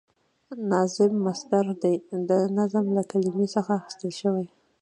نظام مصدر دی د نظم له کلمی څخه اخیستل شوی،